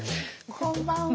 こんばんは。